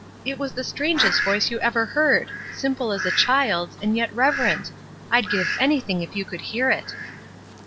It was the strangest voice you ever heard ! simple as a child's, and yet reverent. I'd give anything if you could hear it."